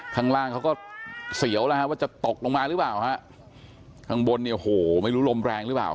ข้างล่างเขาก็เสียวแล้วฮะว่าจะตกลงมาหรือเปล่าฮะข้างบนเนี่ยโหไม่รู้ลมแรงหรือเปล่า